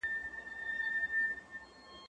زه هره ورځ زده کړه کوم؟